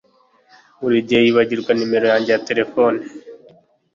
Buri gihe yibagirwa nimero yanjye ya terefone